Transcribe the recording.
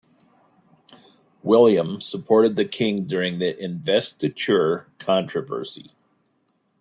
William supported the king during the Investiture Controversy.